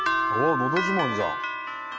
「のど自慢」じゃん。